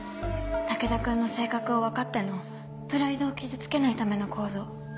武田君の性格を分かってのプライドを傷つけないための行動。